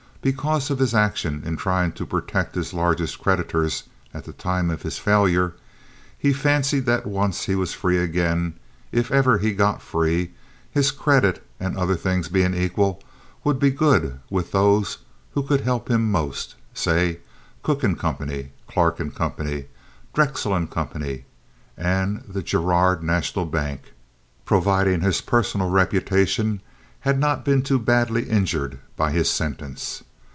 Because of his action in trying to protect his largest creditors at the time of his failure, he fancied that once he was free again, if ever he got free, his credit, other things being equal, would be good with those who could help him most—say, Cooke & Co., Clark & Co., Drexel & Co., and the Girard National Bank—providing his personal reputation had not been too badly injured by his sentence.